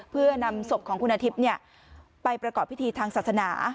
เพื่อนำศพของคุณอาทิตย์ไปประกอบพิธีทางศาสนา